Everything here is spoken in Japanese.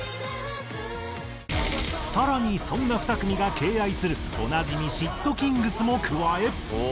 更にそんな２組が敬愛するおなじみｓ＊＊ｔｋｉｎｇｚも加え。